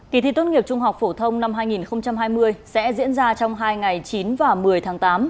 kỳ thi tốt nghiệp trung học phổ thông năm hai nghìn hai mươi sẽ diễn ra trong hai ngày chín và một mươi tháng tám